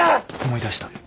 思い出した。